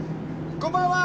こんばんは！